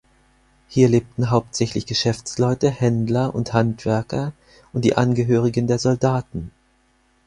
Hier lebten hauptsächlich Geschäftsleute, Händler und Handwerker und die Angehörigen der Soldaten.